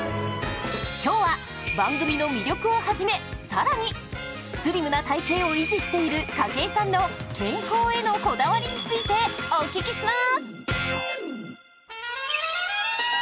今日は番組の魅力をはじめ更にスリムな体型を維持している筧さんの健康法へのこだわりについてお聞きします！